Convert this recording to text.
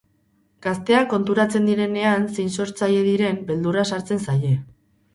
Gazteak konturatzen direnean zein sortzaile diren, beldurra sartzen zaie.